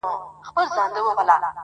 بويي تلم په توره شپه کي تر کهساره!.